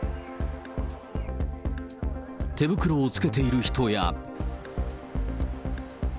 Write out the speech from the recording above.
手袋をつけている人や。